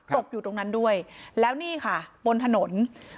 ตกอยู่ตรงนั้นด้วยแล้วนี่ค่ะบนถนน